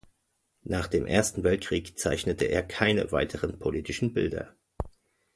Nach dem Ersten Weltkrieg zeichnete er keine weiteren politischen Bilder.